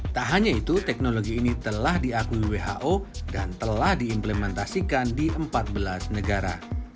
tak hanya itu teknologi ini telah diakui who dan telah diimplementasikan di empat belas negara